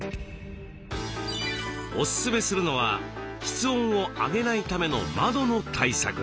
おすすめするのは室温を上げないための窓の対策。